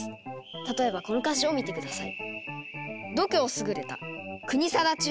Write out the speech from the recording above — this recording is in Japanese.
例えばこの歌詞を見て下さい。